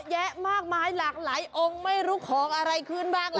แยะมากมายหลากหลายองค์ไม่รู้ของอะไรขึ้นบ้างล่ะ